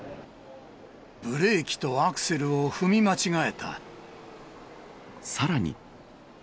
ブレーキとアクセルを踏み間さらに。